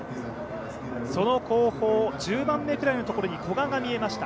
その後方、１０番目ぐらいのところに古賀が見えました。